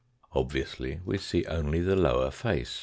Obviously \we bee only the lower face.